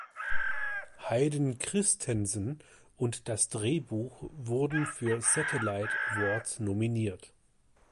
Hayden Christensen und das Drehbuch wurden für Satellite Awards nominiert.